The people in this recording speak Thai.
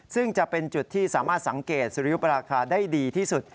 ซึ่งจะเป็นจุดที่สามารถสังเกตสุริยุปราคาได้ดีที่สุด